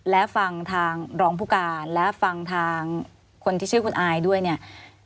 และฟังทางรองผู้การและฟังทางคนที่ชื่อคุณอายด้วยเนี่ย